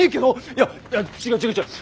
いやいや違う違う違う。